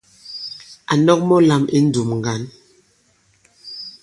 Ǎ nɔ̄k mɔ̄ lām I ǹndùm ŋgǎn.